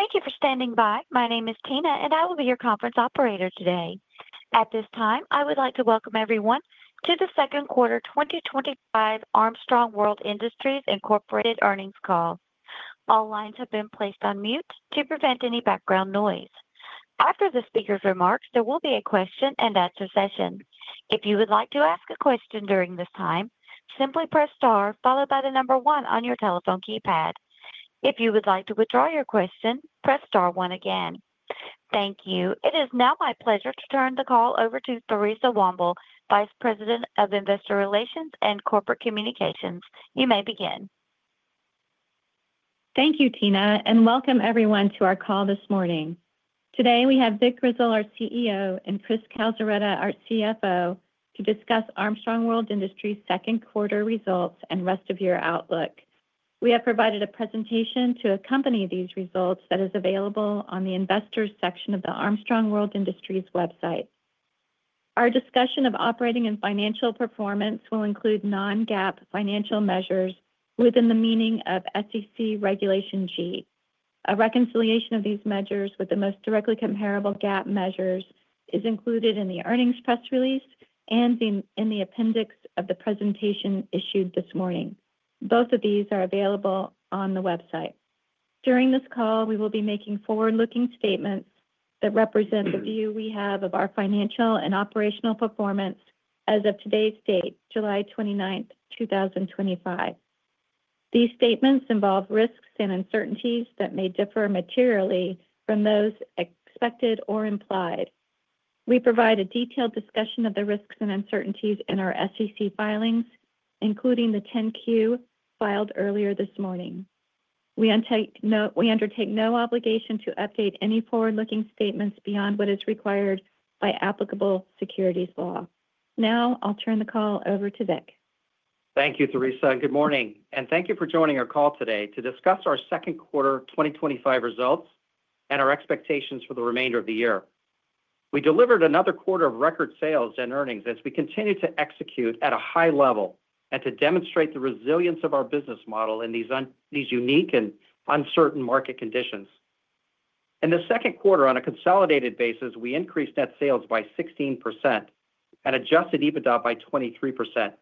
Thank you for standing by. My name is Tina and I will be your conference operator today. At this time I would like to welcome everyone to the Second Quarter 2025 Armstrong World Industries Incorporated earnings call. All lines have been placed on mute to prevent any background noise. After the speaker's remarks, there will be a question and answer session. If you would like to ask a question during this time, simply press STAR followed by the number one on your telephone keypad. If you would like to withdraw your question, press STAR one again. Thank you. It is now my pleasure to turn the call over to Theresa Womble, Vice President of Investor Relations and Corporate Communications. You may begin. Thank you Tina and welcome everyone to our call this morning. Today we have Vic Grizzle, our CEO, and Chris Calzaretta, our CFO, to discuss Armstrong World Industries second quarter results and rest of year outlook. We have provided a presentation to accompany these results that is available on the Investors section of the Armstrong World Industries website. Our discussion of operating and financial performance will include non-GAAP financial measures within the meaning of SEC Regulation G. A reconciliation of these measures with the most directly comparable GAAP measures is included in the earnings press release and in the appendix of the presentation issued this morning. Both of these are available on the website. During this call we will be making forward-looking statements that represent the view we have of our financial and operational performance as of today's date, July 29, 2025. These statements involve risks and uncertainties that may differ materially from those expected or implied. We provide a detailed discussion of the risks and uncertainties in our SEC filings including the 10-Q filed earlier this morning. We undertake no obligation to update any forward-looking statements beyond what is required by applicable securities law. Now I'll turn the call over to Vic. Thank you, Theresa, and good morning, and thank you for joining our call today to discuss our second quarter 2025 results and our expectations for the remainder of the year. We delivered another quarter of record sales and earnings as we continue to execute at a high level and to demonstrate the resilience of our business model in these unique and uncertain market conditions. In the second quarter, on a consolidated basis, we increased net sales by 16% and adjusted EBITDA by 23%.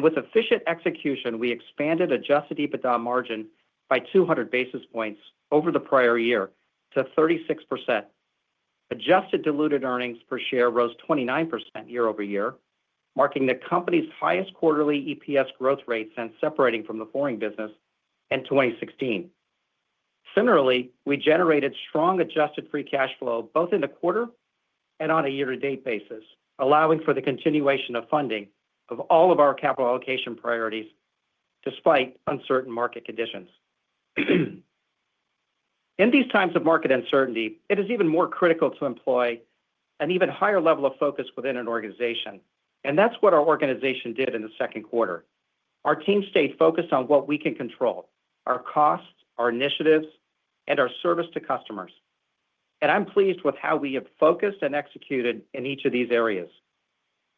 With efficient execution, we expanded adjusted EBITDA margin by 200 basis points over the prior year to 36%. Adjusted diluted EPS rose 29% year over year, marking the company's highest quarterly EPS growth rate since separating from the flooring business in 2016. Similarly, we generated strong adjusted free cash flow both in the quarter and on a year-to-date basis, allowing for the continuation of funding of all of our capital allocation priorities despite uncertain market conditions. In these times of market uncertainty, it is even more critical to employ an even higher level of focus within an organization, and that's what our organization did in the second quarter. Our team stayed focused on what we can control, our costs, our initiatives, and our service to customers, and I'm pleased with how we have focused and executed in each of these areas.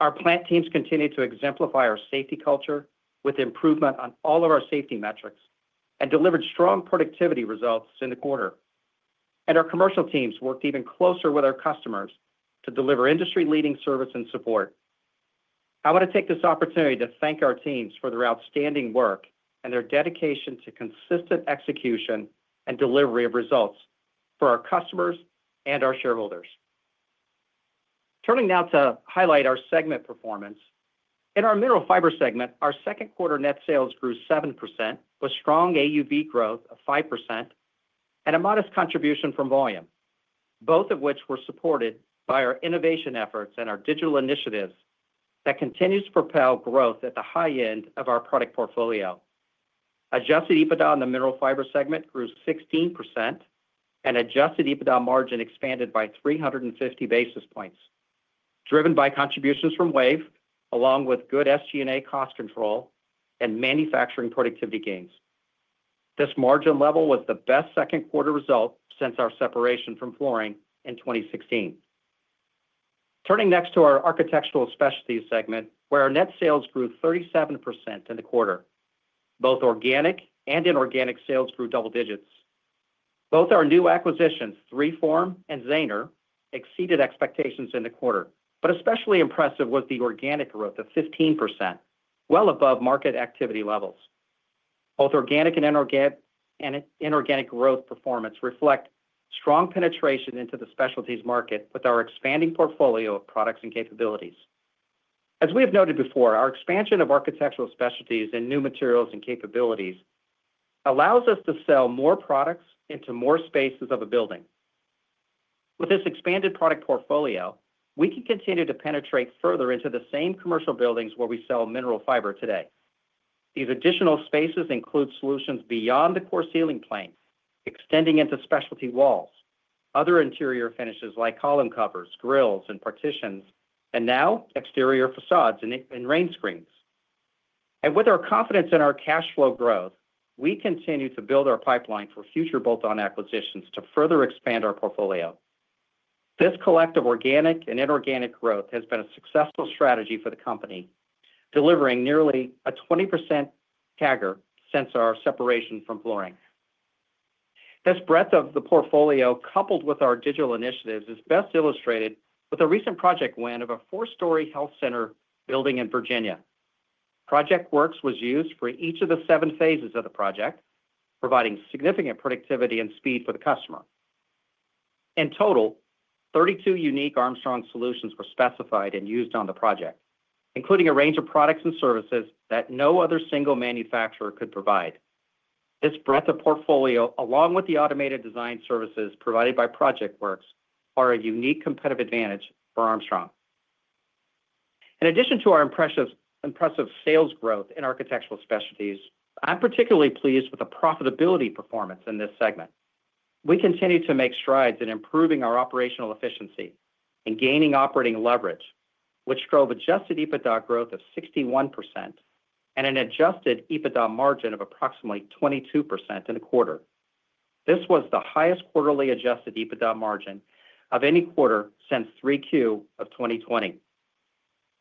Our plant teams continue to exemplify our safety culture with improvement on all of our safety metrics and delivered strong productivity results in the quarter, and our commercial teams worked even closer with our customers to deliver industry-leading service and support. I want to take this opportunity to thank our teams for their outstanding work and their dedication to consistent execution and delivery of results for our customers and our shareholders. Turning now to highlight our segment performance, in our Mineral Fiber segment, our second quarter net sales grew 7% with strong AUV growth of 5% and a modest contribution from volume, both of which were supported by our innovation efforts and our digital initiatives that continue to propel growth. At the high end of our product portfolio, adjusted EBITDA in the Mineral Fiber segment grew 16% and adjusted EBITDA margin expanded by 350 basis points, driven by contributions from WAVE. Along with good SG&A cost control and manufacturing productivity gains, this margin level was the best second quarter result since our separation from flooring in 2016. Turning next to our Architectural Specialties segment where our net sales grew 37% in the quarter, both organic and inorganic sales grew double digits. Both our new acquisitions 3form and Zaner exceeded expectations in the quarter, but especially impressive was the organic growth of 15%, well above market activity levels. Both organic and inorganic growth performance reflect strong penetration into the specialties market with our expanding portfolio of products and capabilities. As we have noted before, our expansion of Architectural Specialties and new materials and capabilities allows us to sell more products into more spaces of a building. With this expanded product portfolio, we can continue to penetrate further into the same commercial buildings where we sell Mineral Fiber today. These additional spaces include solutions beyond the core ceiling plane, extending into specialty walls, other interior finishes like column covers, grills and partitions, and now exterior facades and rain screens. With our confidence in our cash flow growth, we continue to build our pipeline for future bolt-on acquisitions to further expand our portfolio. This collective organic and inorganic growth has been a successful strategy for the company, delivering nearly a 20% CAGR since our separation from flooring. This breadth of the portfolio coupled with our digital initiatives is best illustrated by a recent project win of a four-story health center building in Virginia. ProjectWorks was used for each of the seven phases of the project, providing significant productivity and speed for the customer. In total, 32 unique Armstrong solutions were specified and used on the project, including a range of products and services that no other single manufacturer could provide. This breadth of portfolio, along with the automated design services provided by ProjectWorks, are a unique competitive advantage for Armstrong. In addition to our impressive sales growth in Architectural Specialties, I'm particularly pleased with the profitability performance in this segment. We continue to make strides in improving our operational efficiency and gaining operating leverage, which drove adjusted EBITDA growth of 61% and an adjusted EBITDA margin of approximately 22% in the quarter. This was the highest quarterly adjusted EBITDA margin of any quarter since 3Q of 2020.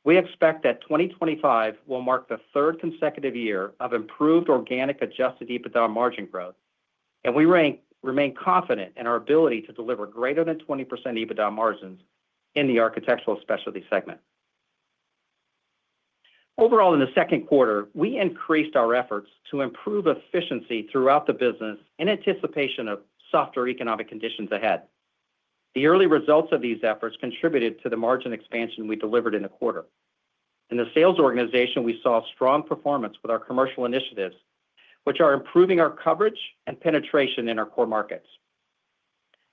We expect that 2025 will mark the third consecutive year of improved organic adjusted EBITDA margin growth, and we remain confident in our ability to deliver greater than 20% EBITDA margins in the Architectural Specialties segment. Overall, in the second quarter, we increased our efforts to improve efficiency throughout the business and in anticipation of softer economic conditions ahead. The early results of these efforts contributed to the margin expansion we delivered in the quarter. In the sales organization, we saw strong performance with our commercial initiatives, which are improving our coverage and penetration in our core markets.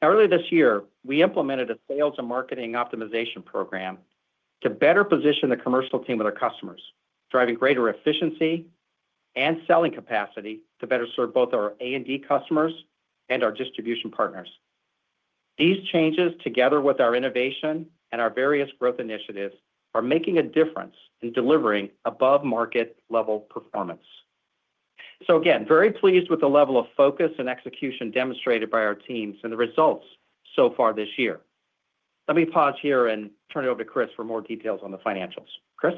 Earlier this year, we implemented a sales and marketing optimization program to better position the commercial team with our customers, driving greater efficiency and selling capacity to better serve both our A and D customers and our distribution partners. These changes, together with our innovation and our various growth initiatives, are making a difference in delivering above market level performance. I am very pleased with the level of focus and execution demonstrated by our teams and the results so far this year. Let me pause here and turn it over to Chris for more details on the financials. Chris,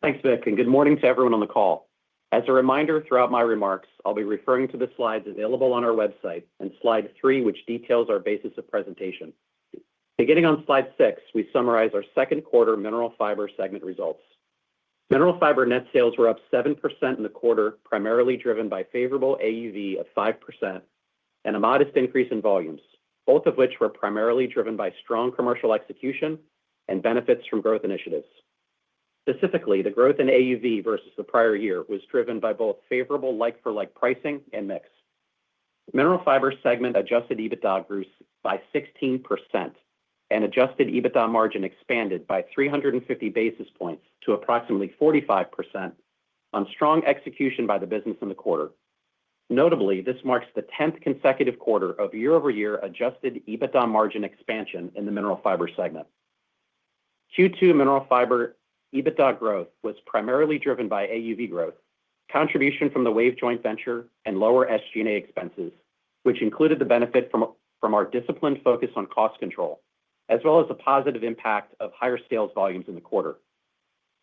Thanks Vic, and good morning to everyone on the call. As a reminder, throughout my remarks, I'll be referring to the slides available on our website and Slide 3, which details our basis of presentation. Beginning on Slide 6, we summarize our second quarter Mineral Fiber segment results. Mineral Fiber net sales were up 7% in the quarter, primarily driven by favorable AUV of 5% and a modest increase in volumes, both of which were primarily driven by strong commercial execution and benefits from growth initiatives. Specifically, the growth in AUV versus the prior year was driven by both favorable like-for-like pricing and mix. Mineral Fiber segment adjusted EBITDA grew by 16%, and adjusted EBITDA margin expanded by 350 basis points to approximately 45% on strong execution by the business in the quarter. Notably, this marks the 10th consecutive quarter of year-over-year adjusted EBITDA margin expansion in the Mineral Fiber segment. Q2 Mineral Fiber EBITDA growth was primarily driven by AUV growth, contribution from the WAVE joint venture, and lower SG&A expenses, which included the benefit from our disciplined focus on cost control as well as the positive impact of higher sales volumes in the quarter.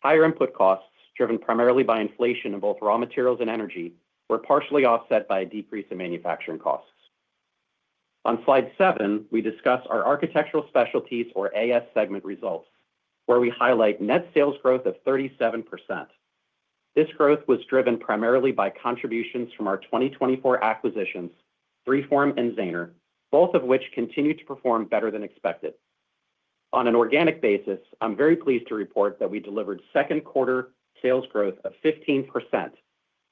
Higher input costs driven primarily by inflation in both raw materials and energy were partially offset by a decrease in manufacturing costs. On slide 7 we discuss our Architectural Specialties or AS segment results where we highlight net sales growth of 37%. This growth was driven primarily by contributions from our 2024 acquisitions 3form and Zaner, both of which continue to perform better than expected on an organic basis. I'm very pleased to report that we delivered second quarter sales growth of 15%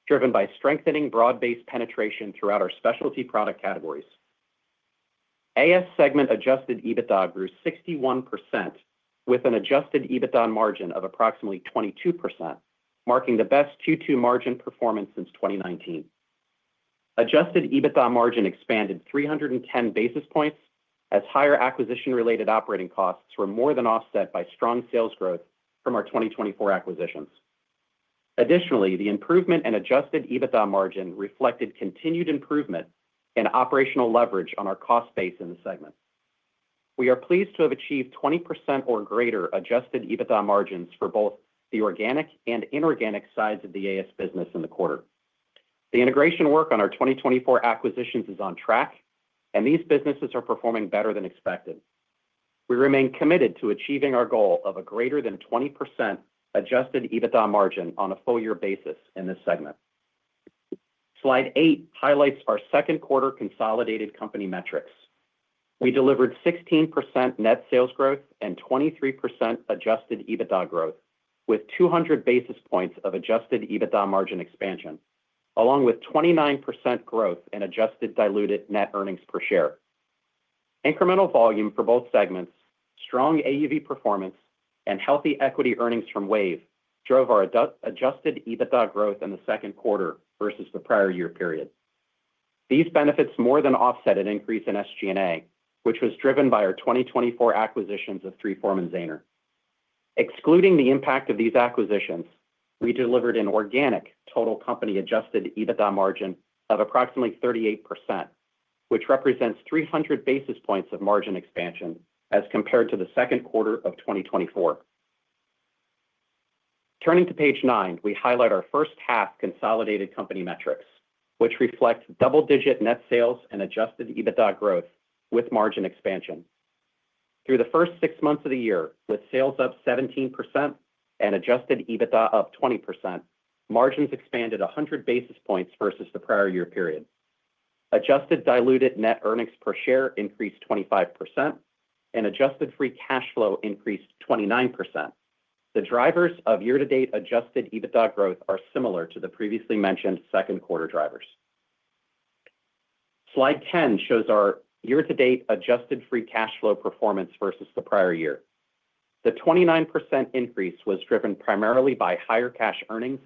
driven by strengthening broad based penetration throughout our specialty product categories. AS segment adjusted EBITDA grew 61% with an adjusted EBITDA margin of approximately 22%, marking the best Q2 margin performance since 2019. Adjusted EBITDA margin expanded 310 basis points as higher acquisition related operating costs were more than offset by strong sales growth from our 2024 acquisitions. Additionally, the improvement in adjusted EBITDA margin reflected continued improvement in operational leverage on our cost base in the segment. We are pleased to have achieved 20% or greater adjusted EBITDA margins for both the organic and inorganic sides of the AS business in the quarter. The integration work on our 2024 acquisitions is on track and these businesses are performing better than expected. We remain committed to achieving our goal of a greater than 20% adjusted EBITDA margin on a full year basis in this segment. Slide 8 highlights our second quarter consolidated company metrics. We delivered 16% net sales growth and 23% adjusted EBITDA growth with 200 basis points of adjusted EBITDA margin expansion along with 29% growth in adjusted diluted net earnings per share incremental volume for both segments. Strong AUV performance and healthy equity earnings from WAVE drove our adjusted EBITDA growth in the second quarter versus the prior year period. These benefits more than offset an increase in SG&A which was driven by our 2024 acquisitions of 3form and Zaner. Excluding the impact of these acquisitions, we delivered an organic total company adjusted EBITDA margin of approximately 38% which represents 300 basis points of margin expansion as compared to the second quarter of 2024. Turning to page nine, we highlight our first half consolidated company metrics which reflect double digit net sales and adjusted EBITDA growth with margin expansion through the first six months of the year. With sales up 17% and adjusted EBITDA of 20%, margins expanded 100 basis points versus the prior year period. Adjusted diluted net earnings per share increased 25% and adjusted free cash flow increased 29%. The drivers of year to date adjusted EBITDA growth are similar to the previously mentioned second quarter drivers. Slide 10 shows our year to date adjusted free cash flow performance versus the prior year. The 29% increase was driven primarily by higher cash earnings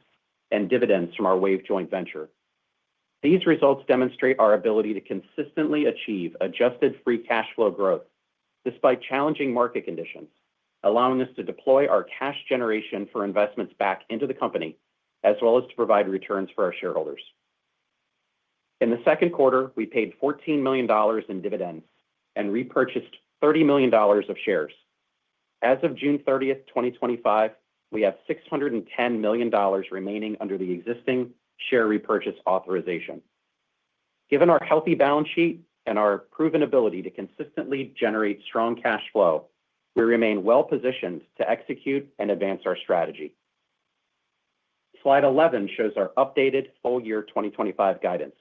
and dividends from our WAVE joint venture. These results demonstrate our ability to consistently achieve adjusted free cash flow growth despite challenging market conditions, allowing us to deploy our cash generation for investments back into the company as well as to provide returns for our shareholders. In the second quarter, we paid $14 million in dividends and repurchased $30 million of shares. As of June 30, 2025, we have $610 million remaining under the existing share repurchase authorization. Given our healthy balance sheet and our proven ability to consistently generate strong cash flow, we remain well positioned to execute and advance our strategy. Slide 11 shows our updated full year 2025 guidance.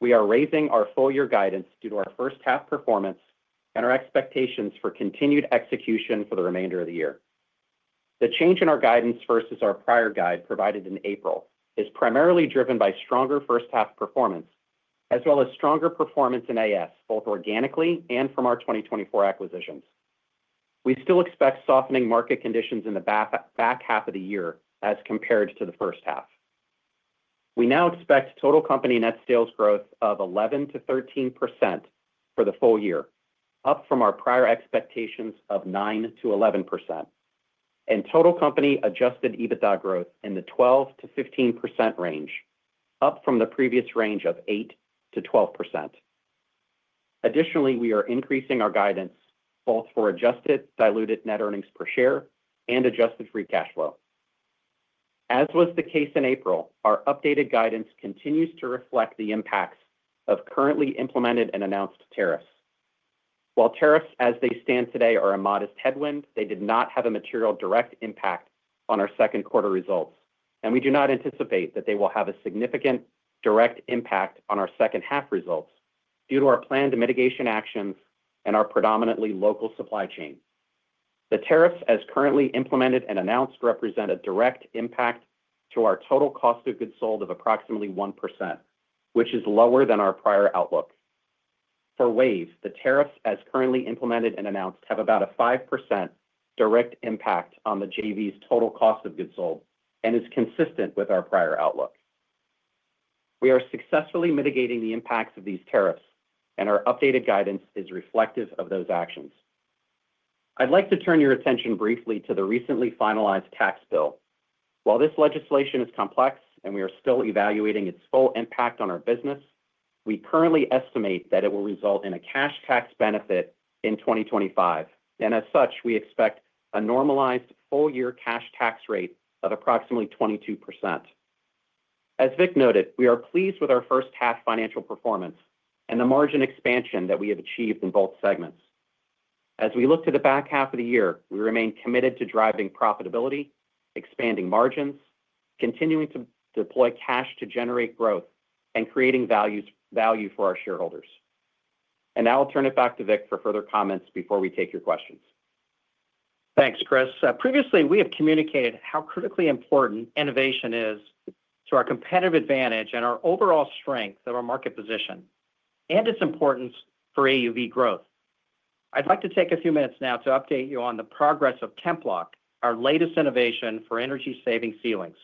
We are raising our full year guidance due to our first half performance and our expectations for continued execution for the remainder of the year. The change in our guidance versus our prior guide provided in April is primarily driven by stronger first half performance as well as stronger performance both organically and from our 2024 acquisitions. We still expect softening market conditions in the back half of the year as compared to the first half. We now expect total company net sales growth of 11 to 13% for the full year, up from our prior expectations of 9 to 11%, and total company adjusted EBITDA growth in the 12%-5% range, up from the previous range of 8%-12%. Additionally, we are increasing our guidance both for adjusted diluted net earnings per share and adjusted free cash flow. As was the case in April, our updated guidance continues to reflect the impacts of currently implemented and announced tariffs. While tariffs, as they stand today, are a modest headwind, they did not have a material direct impact on our second quarter results and we do not anticipate that they will have a significant direct impact on our second half results due to our planned mitigation actions and our predominantly local supply chain. The tariffs as currently implemented and announced represent a direct impact to our total cost of goods sold of approximately 1%, which is lower than our prior outlook for WAVE. The tariffs as currently implemented and announced have about a 5% direct impact on the JV's total cost of goods sold and is consistent with our prior outlook. We are successfully mitigating the impacts of these tariffs and our updated guidance is reflective of those actions. I'd like to turn your attention briefly to the recently finalized tax bill. While this legislation is complex and we are still evaluating its full impact on our business, we currently estimate that it will result in a cash tax benefit in 2025 and as such we expect a normalized full year cash tax rate of approximately 22%. As Vic noted, we are pleased with our first half financial performance and the margin expansion that we have achieved in both segments. As we look to the back half of the year, we remain committed to driving profitability, expanding margins, continuing to deploy cash to generate growth and creating value for our shareholders, and now I'll turn it back to Vic for further comments before we take your questions. Thanks Chris. Previously we have communicated how critically important innovation is to our competitive advantage and our overall strength of our market position and its importance for AUV growth. I'd like to take a few minutes now to update you on the progress of Templok, our latest innovation for energy saving ceilings.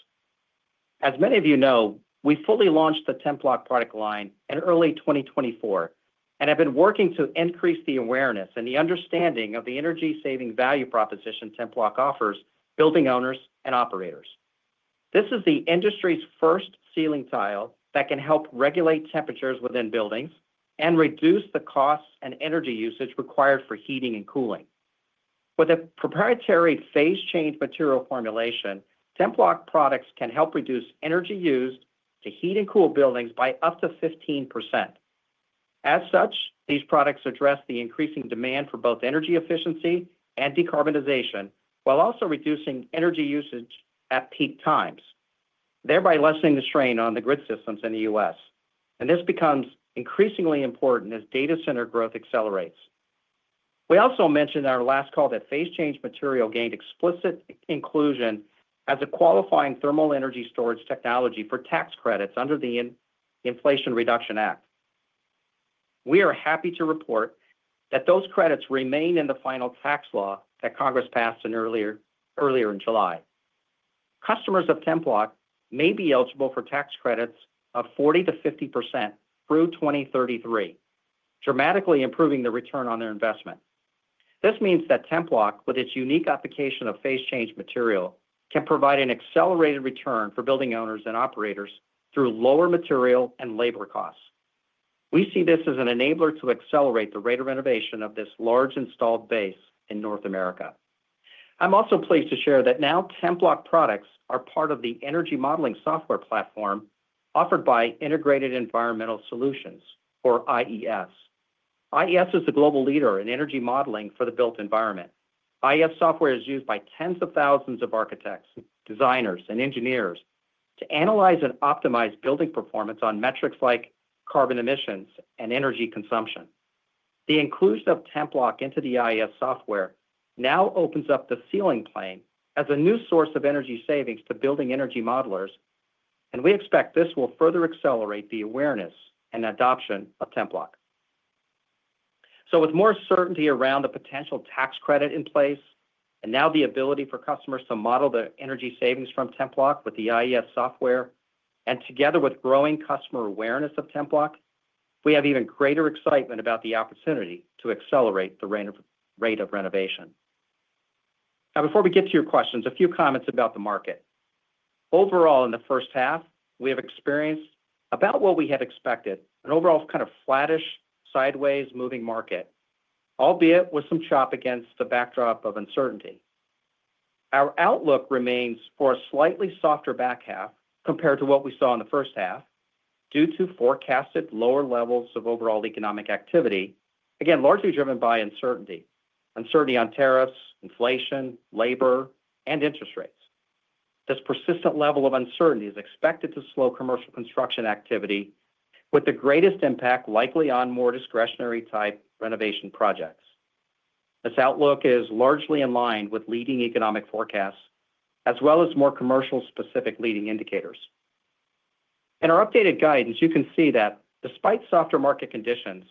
As many of you know, we fully launched the Templok product line in early 2024 and have been working to increase the awareness and the understanding of the energy saving value proposition Templok offers building owners and operators. This is the industry's first ceiling tile that can help regulate temperatures within buildings and reduce the costs and energy usage required for heating and cooling. With a proprietary phase change material formulation, Templok products can help reduce energy used to heat and cool buildings by up to 15%. As such, these products address the increasing demand for both energy efficiency and decarbonization while also reducing energy usage at peak times, thereby lessening the strain on the grid systems in the U.S. and this becomes increasingly important as data center growth accelerates. We also mentioned on our last call that phase change material gained explicit inclusion as a qualifying thermal energy storage technology for tax credits under the Inflation Reduction Act. We are happy to report that those credits remain in the final tax law that Congress passed earlier in July. Customers of Templok may be eligible for tax credits of 40%-50% through 2033, dramatically improving the return on their investment. This means that Templok, with its unique application of phase change material, can provide an accelerated return for building owners and operators through lower material and labor costs. We see this as an enabler to accelerate the rate of renovation of this large installed base in North America. I'm also pleased to share that now Templok products are part of the energy modeling software platform offered by Integrated Environmental Solutions, or IES. IES is the global leader in energy modeling for the built environment. IES software is used by tens of thousands of architects, designers, and engineers to analyze and optimize building performance on metrics like carbon emissions and energy consumption. The inclusion of Templok into the IES software now opens up the ceiling plane as a new source of energy savings to building energy modelers, and we expect this will further accelerate the awareness and adoption of Templok. With more certainty around the potential tax credit in place and now the ability for customers to model the energy savings from Templok with the IES software, together with growing customer awareness of Templok, we have even greater excitement about the opportunity to accelerate the rate of renovation. Now, before we get to your questions, a few comments about the market overall. In the first half, we have experienced about what we had expected, an overall kind of flattish, sideways moving market, albeit with some chop against the backdrop of uncertainty. Our outlook remains for a slightly softer back half compared to what we saw in the first half due to forecasted lower levels of overall economic activity, again largely driven by uncertainty, uncertainty on tariffs, inflation, labor, and interest rates. This persistent level of uncertainty is expected to slow commercial construction activity, with the greatest impact likely on more discretionary type renovation projects. This outlook is largely in line with leading economic forecasts as well as more commercial specific leading indicators. In our updated guidance, you can see that despite softer market conditions,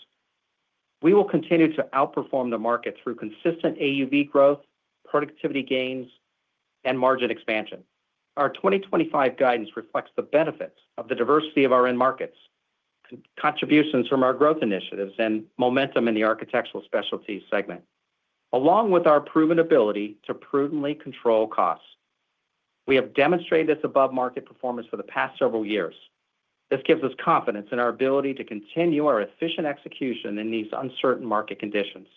we will continue to outperform the market through consistent AUV growth, productivity gains, and margin expansion. Our 2025 guidance reflects the benefits of the diversity of our end markets, contributions from our growth initiatives, and momentum in the Architectural Specialties segment, along with our proven ability to prudently control costs. We have demonstrated this above market performance for the past several years. This gives us confidence in our ability to continue our efficient execution in these uncertain market conditions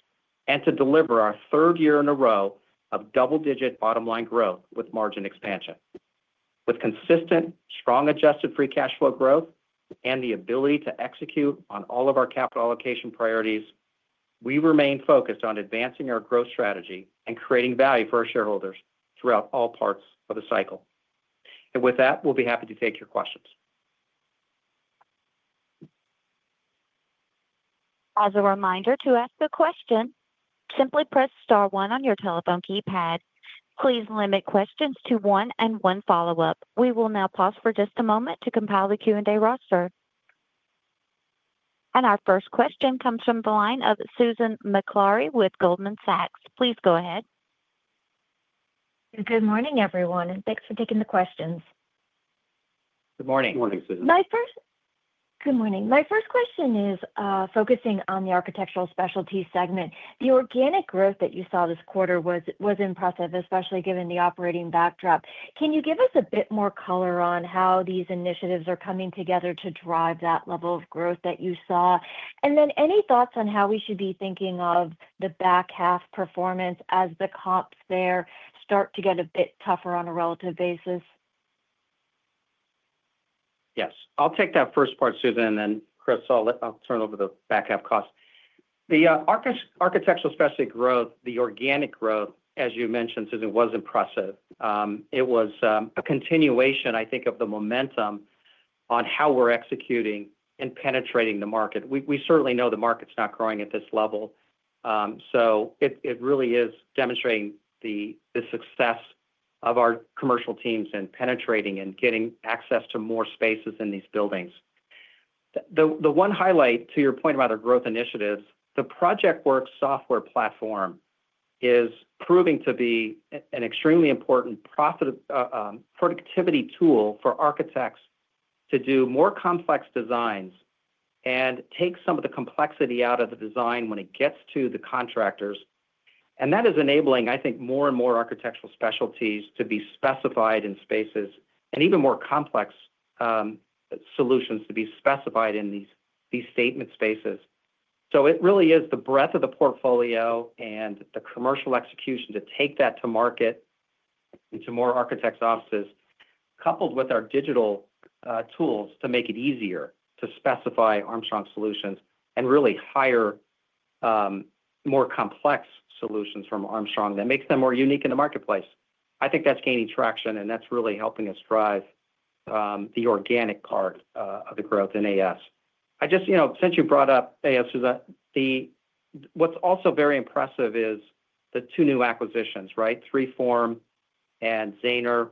and to deliver our third year in a row of double-digit bottom line growth with margin expansion, with consistent strong adjusted free cash flow growth and the ability to execute on all of our capital allocation priorities. We remain focused on advancing our growth strategy and creating value for our shareholders throughout all parts of the cycle, and with that, we'll be happy to take your questions. As a reminder to ask a question, simply press star 1 on your telephone keypad. Please limit questions to 1 and 1 follow up. We will now pause for just a moment to compile the Q&A roster, and our first question comes from the line of Susan Maklari with Goldman Sachs. Please go ahead. Good morning everyone, and thanks for taking the questions. Good morning, Susan. Good morning. My first question is focusing on the Architectural Specialties segment. The organic growth that you saw this quarter was impressive, especially given the operating backdrop. Can you give us a bit more color on how these initiatives are coming together to drive that level of growth that you saw? Any thoughts on how we should be thinking of the back half performance as the comps there start to get a bit tougher on a relative basis? Yes, I'll take that first part, Susan, and then Chris, I'll turn over the back half costs. The Architectural Specialties growth, the organic growth, as you mentioned, Susan, was impressive. It was a continuation, I think, of the momentum on how we're executing and penetrating the market. We certainly know the market's not growing at this level, so it really is demonstrating the success of our commercial teams and penetrating and getting access to more spaces in these buildings. The one highlight to your point about our growth initiatives, the Projectworks software platform is proving to be an extremely important productivity tool for architects to do more complex designs and take some of the complexity out of the design when it gets to the contractors. That is enabling, I think, more and more Architectural Specialties to be specified in spaces and even more complex solutions to be specified in these statement spaces. It really is the breadth of the portfolio and the commercial execution to take that to market into more architects' offices coupled with our digital tools to make it easier to specify Armstrong solutions and really hire more complex solutions from Armstrong that makes them more unique in the marketplace. I think that's gaining traction and that's really helping us drive the organic part of the growth. Since you brought up what's also very impressive is the two new acquisitions, 3form and Zaner.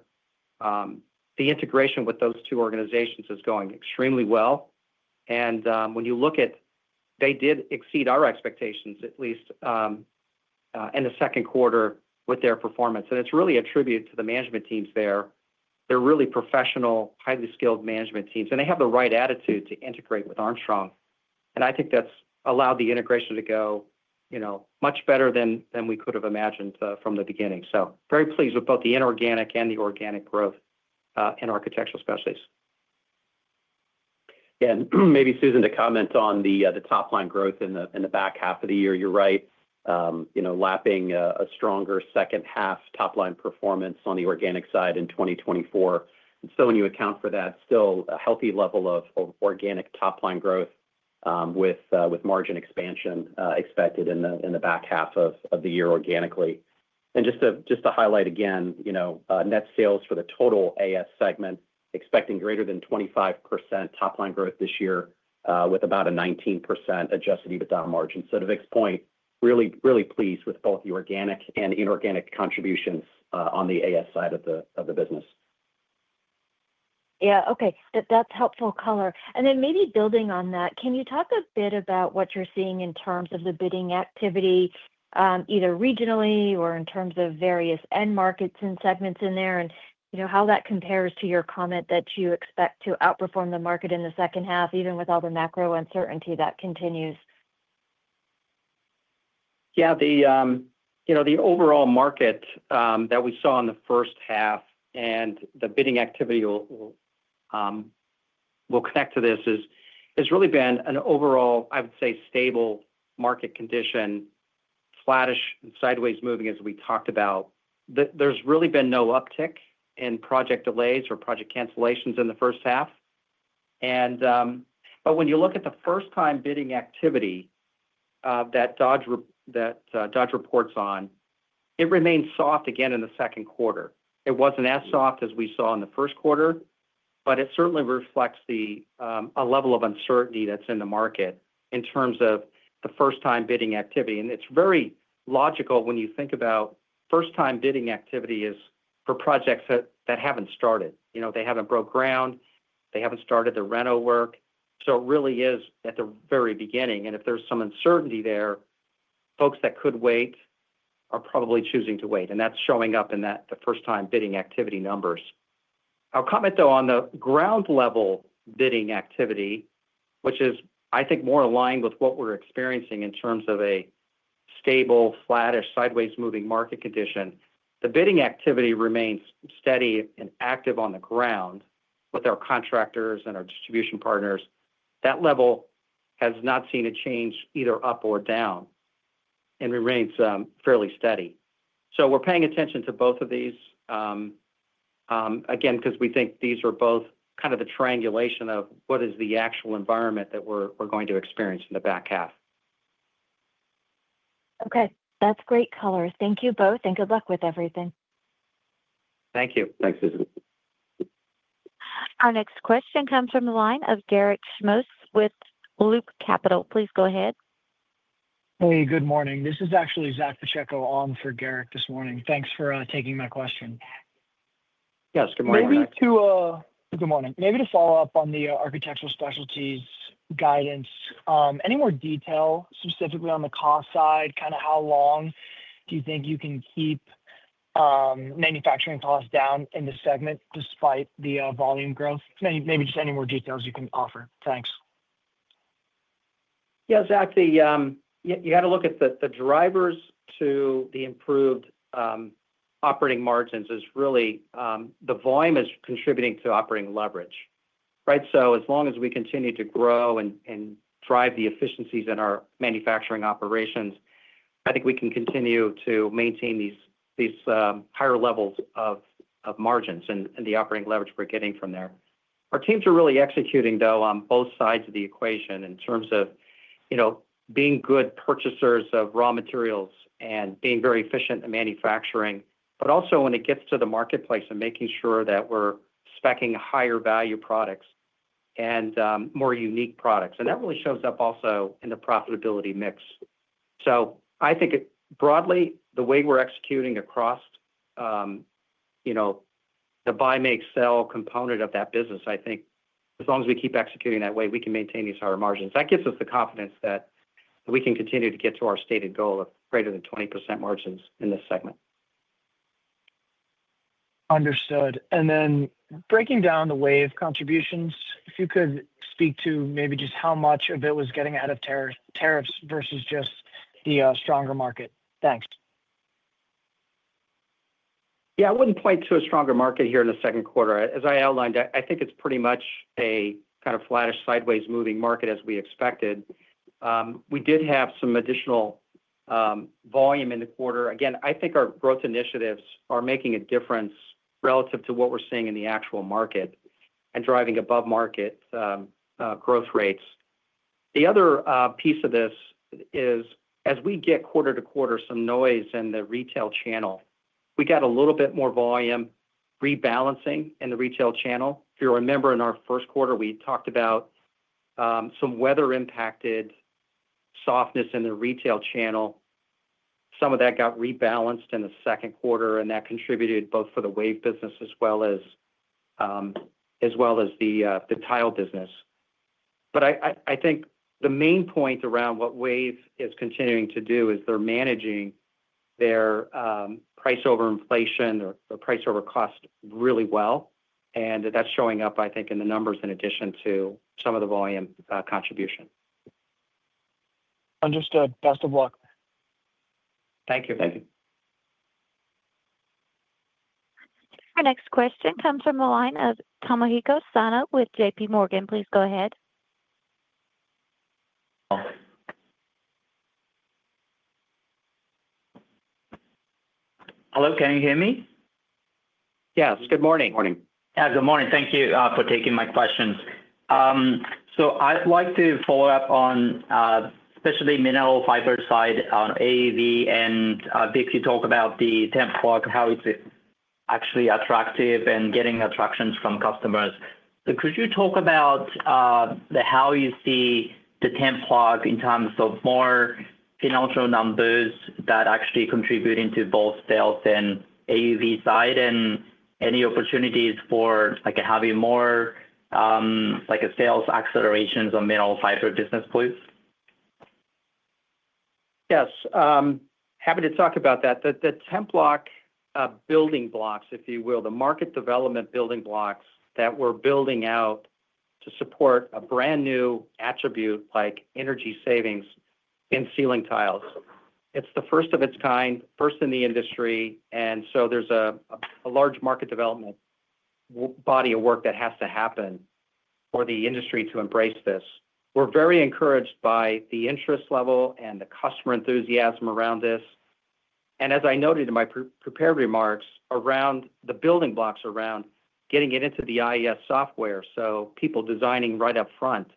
The integration with those two organizations is going extremely well and when you look at they did exceed our expectations at least in the second quarter with their performance and it's really a tribute to the management teams there. They're really professional, highly skilled management teams and they have the right attitude to integrate with Armstrong and I think that's allowed the integration to go much better than we could have imagined from the beginning. Very pleased with both the inorganic and the organic growth in Architectural Specialties. Maybe, Susan, to comment on the top line growth in the back half of the year. You're right. Lapping a stronger second half top line performance on the organic side in 2024. When you account for that, still a healthy level of organic top line growth with margin expansion expected in the back half of the year organically. Just to highlight again, net sales for the total AS segment expecting greater than 25% top line growth this year with about a 19% adjusted EBITDA margin. To Vic's point, really, really pleased with both the organic and inorganic contributions on the AS side of the business. Yeah, okay, that's helpful color. Maybe building on that, can you talk a bit about what you're seeing in terms of the bidding activity either regionally or in terms of various end markets and segments in there, and you know how that compares to your comment that you expect to outperform the market in the second half even with all the macro uncertainty that continues. Yeah, the overall market that we saw in the first half and the bidding activity connected to this has really been an overall, I would say, stable market condition, flattish and sideways moving. As we talked about, there's really been no uptick in project delays or project cancellations in the first half. When you look at the first time bidding activity that Dodge reports on, it remains soft again in the second quarter. It wasn't as soft as we saw in the first quarter, but it certainly reflects the level of uncertainty that's in the market in terms of the first time bidding activity. It's very logical when you think about first time bidding activity as for projects that haven't started, you know, they haven't broken ground, they haven't started the rental work. It really is at the very beginning, and if there's some uncertainty there, folks that could wait are probably choosing to wait. That's showing up in the first time bidding activity numbers. I'll comment though on the ground level bidding activity, which is, I think, more aligned with what we're experiencing in terms of a stable, flattish, sideways moving market condition. The bidding activity remains steady and active on the ground with our contractors and our distribution partners. That level has not seen a change either up or down and remains fairly steady. We're paying attention to both of these again because we think these are both kind of the triangulation of what is the actual environment that we're going to experience in the back half. Okay, that's great. Thank you both and good luck with everything. Thank you. Thanks, Susan. Our next question comes from the line of Garik Shmois with Loop Capital. Please go ahead. Hey, good morning. This is actually Zack Pacheco on for Garik this morning. Thanks for taking my question. Yes, good morning. Good morning. Maybe to follow up on the Architectural Specialties guidance. Any more detail specifically on the cost side? Kind of how long do you think you can keep manufacturing costs down in this segment despite the volume growth? Maybe just any more details you can offer? Thanks. Yeah, Zack, you got to look at the drivers to the improved operating margins. The volume is contributing to operating leverage. Right. As long as we continue to grow and drive the efficiencies in our manufacturing operations, I think we can continue to maintain these higher levels of margins and the operating leverage we're getting from there. Our teams are really executing on both sides of the equation in terms of being good purchasers of raw materials and being very efficient in manufacturing, but also when it gets to the marketplace and making sure that we're specking higher value products and more unique products. That really shows up also in the profitability mix. I think broadly the way we're executing across the buy, make, sell component of that business, as long as we keep executing that way we can maintain these higher margins. That gives us the confidence that we can continue to get to our stated goal of greater than 20% margins in this segment. Understood. Breaking down the WAVE contributions, if you could speak to maybe just how much of it was getting out of tariffs versus just the stronger market. Thanks. Yeah, I wouldn't point to a stronger market here in the second quarter as I outlined. I think it's pretty much a kind of flattish, sideways moving market. As we expected, we did have some additional volume in the quarter. Again, I think our growth initiatives are making a difference relative to what we're seeing in the actual market and driving above market growth rates. The other piece of this is as we get quarter to quarter, some noise in the retail channel, we got a little bit more volume rebalancing in the retail channel. If you remember, in our first quarter we talked about some weather impacted softness in the retail channel. Some of that got rebalanced in the second quarter and that contributed both for the WAVE business as well as the tile business. I think the main point around what WAVE is continuing to do is they're managing their price over inflation or price over cost really well. That's showing up I think in the numbers in addition to some of the volume contribution. Understood. Best of luck. Thank you. Thank you. Our next question comes from the line of Tomohiko Sano with J.P. Morgan. Please go ahead. Hello, can you hear me? Yes. Good morning. Good morning. Thank you for taking my questions. I'd like to follow up on especially Mineral Fiber side on AUV and Vic, you talk about the Templok, how it's actually attractive and getting attractions from customers. Could you talk about how you see the Templok in terms of more financial numbers that actually contribute into both sales and AUV side and any opportunities for like having more like a sales accelerations on Mineral Fiber business, please. Yes, happy to talk about that. The Templok building blocks, if you will, the market development building blocks that we're building out to support a brand new attribute like energy savings in ceiling tiles. It's the first of its kind, first in the industry. There's a large market development body of work that has to happen for the industry to embrace this. We're very encouraged by the interest level and the customer enthusiasm around this, and as I noted in my prepared remarks around the building blocks, around getting it into the IES software so people designing right up front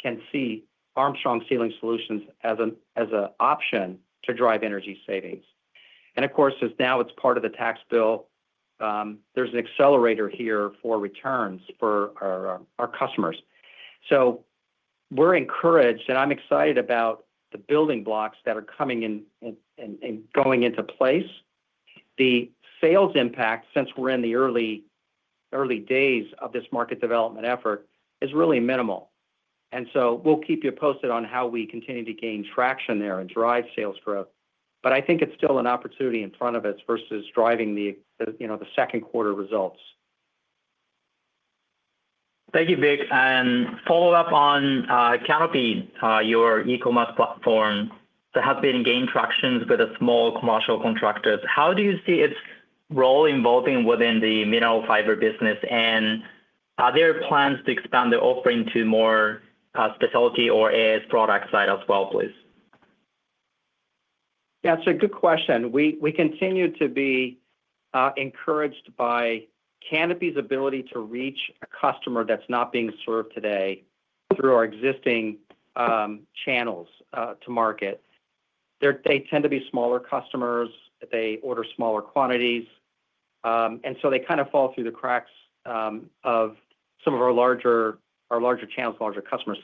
can see Armstrong ceiling solutions as an option to drive energy savings. Of course, now it's part of the tax bill. There's an accelerator here for returns for our customers. We're encouraged and I'm excited about the building blocks that are coming in and going into place. The sales impact, since we're in the early, early days of this market development effort, is really minimal. We'll keep you posted on how we continue to gain traction there and drive sales growth. I think it's still an opportunity in front of us versus driving the, you know, the second quarter results. Thank you, Vic. Follow up on Canopy, your e-commerce platform that has been gaining tractions with small commercial contractors. How do you see its role evolving within the Mineral Fiber business? Are there plans to expand the offering to more specialty or product side as well, please. Yeah, it's a good question. We continue to be encouraged by Canopy's ability to reach a customer that's not being served today through our existing channels to market. They tend to be smaller customers, they order smaller quantities, and they kind of fall through the cracks of some of our larger channels, larger customers.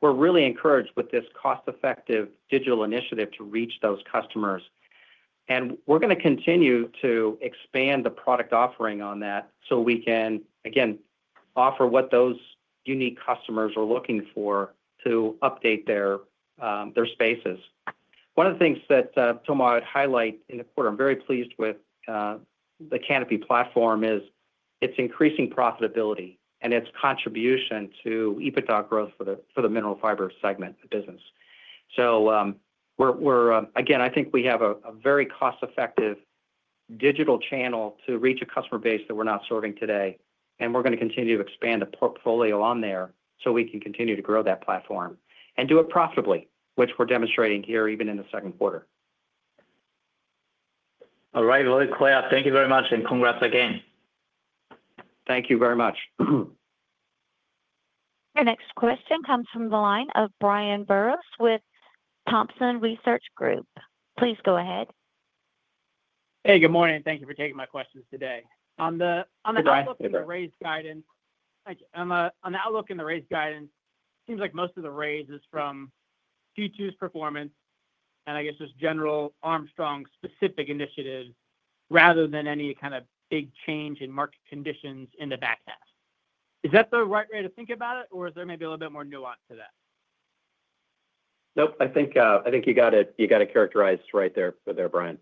We're really encouraged with this cost-effective digital initiative to reach those customers, and we're going to continue to expand the product offering on that so we can again offer what those unique customers are looking for to update their spaces. One of the things that I would highlight in the quarter, I'm very pleased with the Canopy platform, is its increasing profitability and its contribution to EBITDA growth for the Mineral Fiber segment business. I think we have a very cost-effective digital channel to reach a customer base that we're not serving today, and we're going to continue to expand the portfolio on there so we can continue to grow that platform and do it profitably, which we're demonstrating here even in the second quarter. All right, very clear. Thank you very much and congrats again. Thank you very much. Your next question comes from the line of Brian Biros with Thomson Research Group. Please go ahead. Hey, good morning. Thank you for taking my questions today on the outlook and the raised guidance. Thank you. On the outlook and the raised guidance. Seems like most of the raise is from Q2's performance and I guess just general Armstrong specific initiatives rather than any kind of big change in market conditions in the back half. Is that the right way to think about it or is there maybe a little bit more nuance to that? Nope, I think you got it. You got it characterized right there, Brian.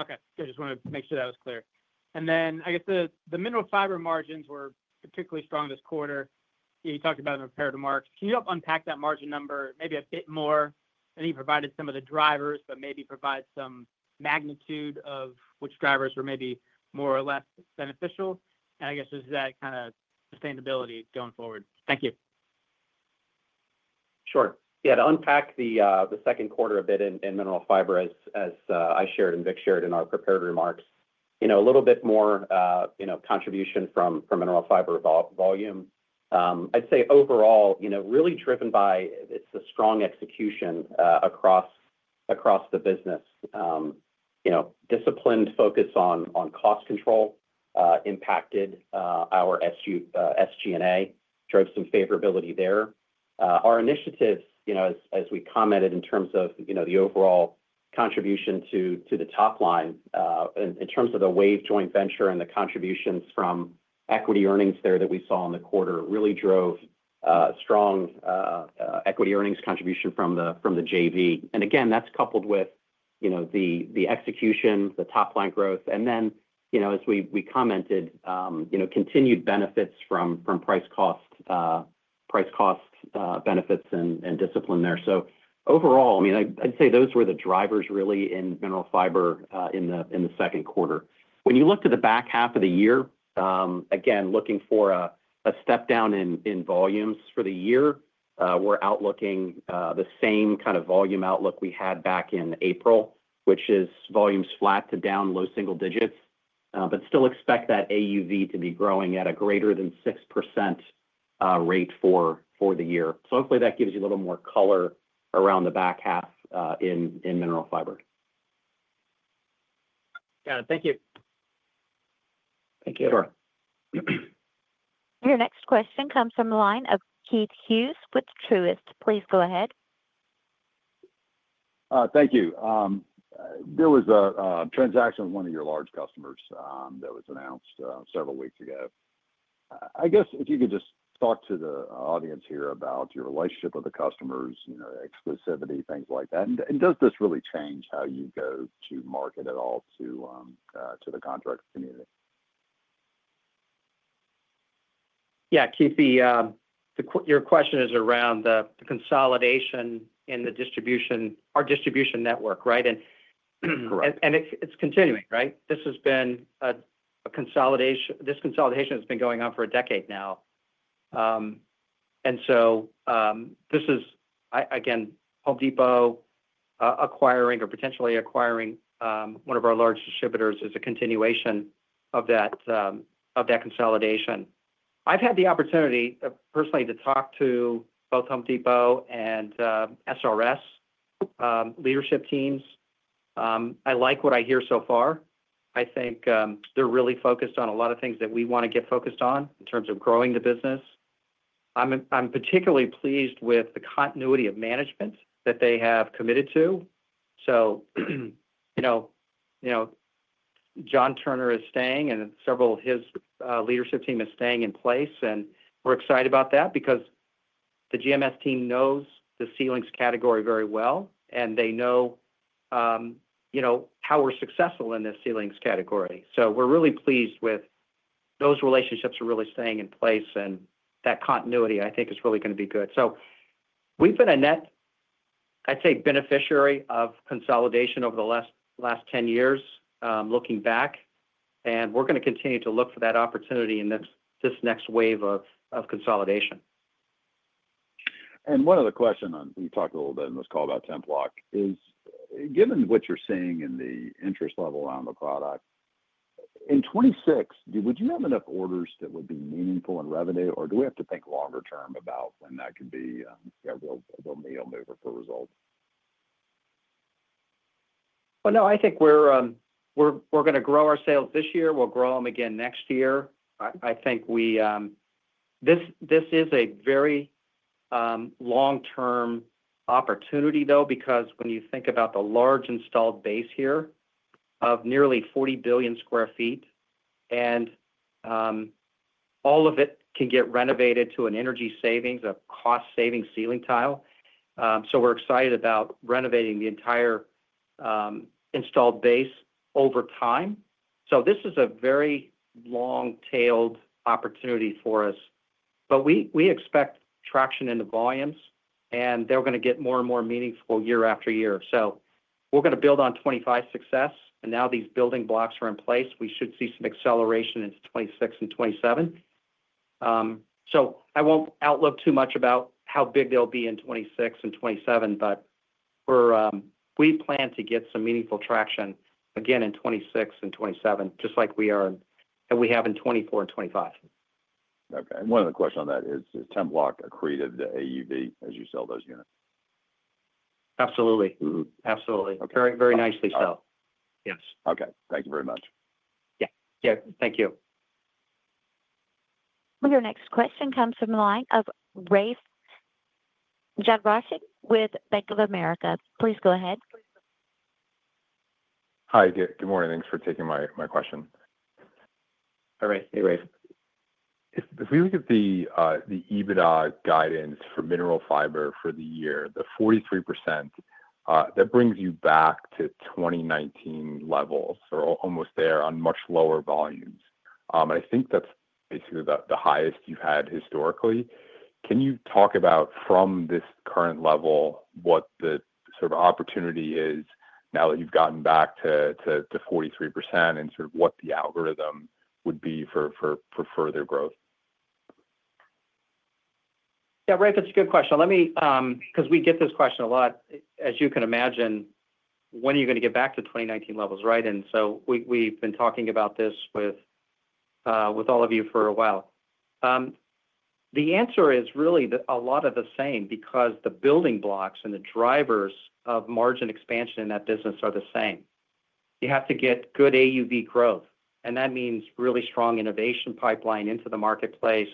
Okay. I just want to make sure that was clear. The mineral fiber margins were particularly strong this quarter. You talked about it in prepared remarks. Can you unpack that margin number maybe a bit more? You provided some of the drivers, but maybe provide some magnitude of which drivers were maybe more or less beneficial, and I guess is that kind of sustainability going forward. Thank you. Sure. To unpack the second quarter a bit in mineral fiber, as I shared and Vic shared in our prepared remarks, a little bit more contribution from mineral fiber volume. I'd say overall, really driven by strong execution across the business. Disciplined focus on cost control impacted our SG&A, drove some favorability there. Our initiatives, as we commented in terms of the overall contribution to the top line in terms of the WAVE joint venture and the contributions from equity earnings there that we saw in the quarter, really drove strong equity earnings contribution from the JV, and again that's coupled with the execution, the top line growth. As we commented, continued benefits from price cost, price cost benefits and discipline there. Overall, I'd say those were the drivers in mineral fiber in the second quarter. When you look to the back half of the year, again looking for a step down in volumes for the year, we're outlooking the same kind of volume outlook we had back in April, which is volumes flat to down low single digits, but still expect that AUV to be growing at a greater than 6% rate for the year. Hopefully that gives you a little more color around the back half in mineral fiber. Got it. Thank you. Thank you. Your next question comes from the line of Keith Hughes with Truist. Please go ahead. Thank you. There was a transaction with one of your large customers that was announced several weeks ago. I guess if you could just talk to the audience here about your relationship with the customers, exclusivity, things like that. Does this really change how you go to market at all to the contractor community? Yeah. Keith, your question is around the consolidation in the distribution, our distribution network. Right. It's continuing. This has been a consolidation. This consolidation has been going on for a decade now. This is again, Home Depot acquiring or potentially acquiring one of our large distributors is a continuation of that consolidation. I've had the opportunity personally to talk to both Home Depot and SRS leadership teams. I like what I hear so far. I think they're really focused on a lot of things that we want to get focused on in terms of growing the business. I'm particularly pleased with the continuity of management that they have committed to. John Turner is staying and several of his leadership team is staying in place and we're excited about that because the GMS team knows the ceilings category very well and they know how we're successful in the ceilings category. We're really pleased with those relationships are really staying in place and that continuity, I think, is really going to be good. We've been a net, I'd say, beneficiary of consolidation over the last 10 years, looking back. We're going to continue to look for that opportunity in this next wave of consolidation. One other question, we talked a little bit in this call about Templok. Given what you're seeing in the interest level around the product in 2026, would you have enough orders that would be meaningful in revenue or do we have to think longer term about when that could be a real mover for results? I think we're going to grow our sales this year. We'll grow them again next year. I think this is a very long term opportunity though because when you think about the large installed base here of nearly $40 billion square feet and all of it can get renovated to an energy savings, a cost saving ceiling tile. We're excited about renovating the entire installed base over time. This is a very long tailed opportunity for us. We expect traction in the volumes and they're going to get more and more meaningful year after year. We're going to build on 2025 success. Now these building blocks are in place, we should see some acceleration into 2026 and 2027. I won't outlook too much about how big they'll be in 2026 and 2027, but we plan to get some meaningful traction again in 2026 and 2027 just like we are and we have in 2024 and 2025. One other question on that. Is Templok accretive to AUV as you sell those units? Absolutely, absolutely. Very, very nicely. So yes. Thank you very much. Yeah, thank you. Your next question comes from the line of Rafe Jadrosich with Bank of America. Please go ahead. Hi, good morning. Thanks for taking my question. All right. Hey Rafe, if we look at the EBITDA guidance for Mineral Fiber for the year, the 43% that brings you back to 2019 levels or almost there on much lower volumes, I think that's basically the highest you've had historically. Can you talk about from this current level what the sort of opportunity is now that you've gotten back to 43% and sort of what the algorithm would be for further growth? Yeah, Rafe, it's a good question. Let me, because we get this question a lot, as you can imagine. When are you going to get back to 2019 levels? Right. We've been talking about this with all of you for a while. The answer is really that a lot of the same because the building blocks and the drivers of margin expansion in that business are the same. You have to get good AUV growth and that means really strong innovation pipeline into the marketplace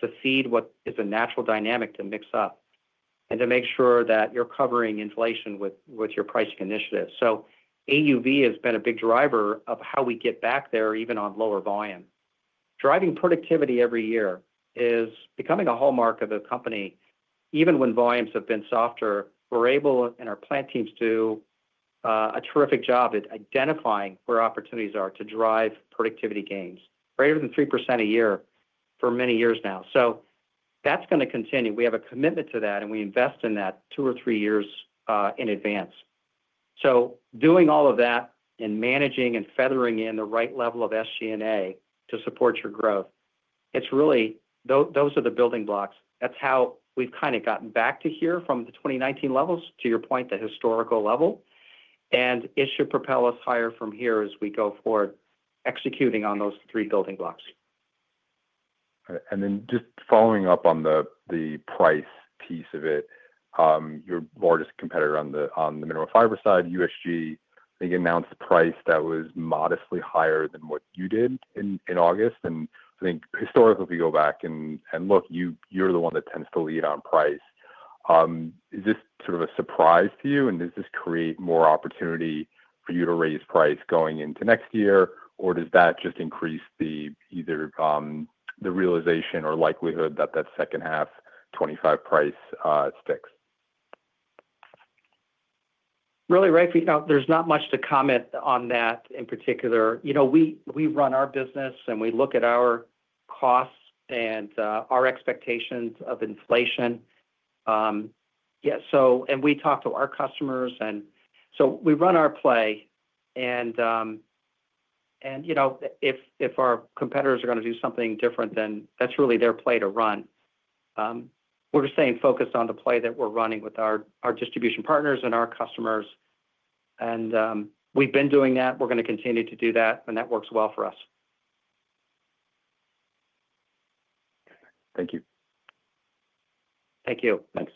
to feed what is a natural dynamic to mix up and to make sure that you're covering inflation with your pricing initiatives. So AUV has been a big driver of how we get back there, even on lower volume. Driving productivity every year is becoming a hallmark of the company. Even when volumes have been softer, we're able, and our plant teams do a terrific job at identifying where opportunities are to drive productivity gains greater than 3% a year for many years now. That's going to continue. We have a commitment to that and we invest in that two or three years in advance. Doing all of that and managing and feathering in the right level of SG&A to support your growth, it's really, those are the building blocks. That's how we've kind of gotten back to here from the 2019 levels to your point, the historical level. It should propel us higher from here as we go forward, executing on those three building blocks. Just following up on the price piece of it, your largest competitor on the Mineral Fiber side, USG, they announced price that was modestly higher than what you did in August. I think historically if you go back and look, you're the one that tends to lead on price. Is this sort of a surprise to you and does this create more opportunity for you to raise price going into next year or does that just increase either the realization or likelihood that that second half 2025 price sticks? Really, Rafe, there's not much to comment on that in particular. We run our business and we look at our costs and our expectations of inflation. We talk to our customers and we run our play. If our competitors are going to do something different, then that's really their play to run. We're staying focused on the play that we're running with our distribution partners and our customers. We've been doing that, we're going to continue to do that, and that works well for us. Thank you. Thank you. Thanks.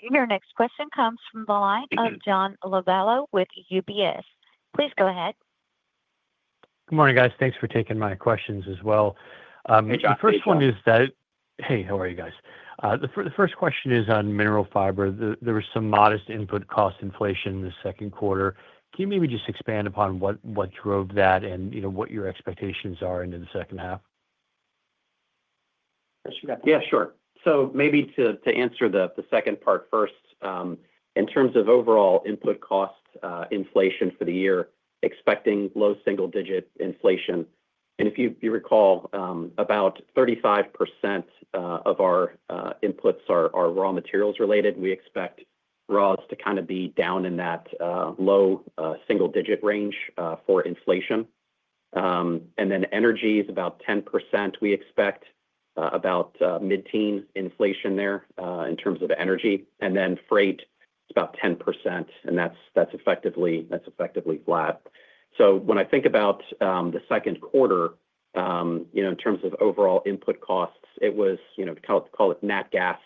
Your next question comes from the line of John Lovallo with UBS. Please go ahead. Good morning guys. Thanks for taking my questions as well. The first one is that hey, how are you guys? The first question is on Mineral Fiber. There was some modest input cost inflation in the second quarter. Can you maybe just expand upon what drove that and what your expectations are into the second half? Yeah, sure. To answer the second part first, in terms of overall input cost inflation for the year, expecting low single digit inflation and if you recall about 35% of our inputs are raw materials related. We expect raws to be down in that low single digit range for inflation. Energy is about 10%. We expect about mid teen inflation there in terms of energy and then freight is about 10% and that's effectively flat. When I think about the second quarter, in terms of overall input costs, it was NAT gas